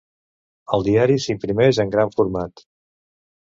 El diari s'imprimeix en gran format.